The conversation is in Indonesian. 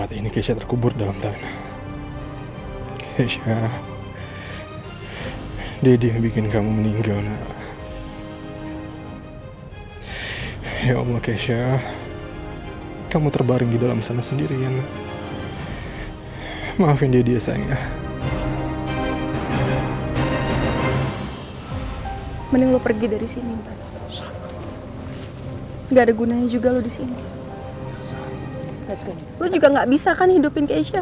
tadi keadaan catherine emang sempet drop